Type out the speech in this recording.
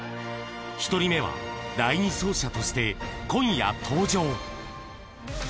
１人目は第２走者として今夜登場。